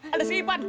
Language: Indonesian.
ada si ipan